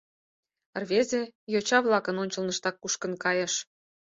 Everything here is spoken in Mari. Рвезе йоча-влакын ончылныштак кушкын кайыш.